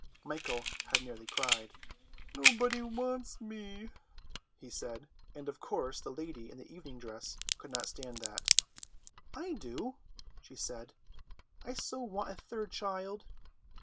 Michael had nearly cried. "Nobody wants me," he said, and of course the lady in the evening dress could not stand that. "I do," she said, "I so want a third child."